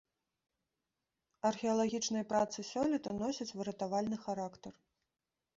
Археалагічныя працы сёлета носяць выратавальны характар.